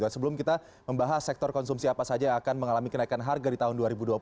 sebelum kita membahas sektor konsumsi apa saja yang akan mengalami kenaikan harga di tahun dua ribu dua puluh